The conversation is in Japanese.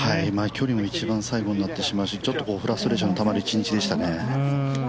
距離も一番最後になってしまうし、フラストレーションたまる一日でしたね。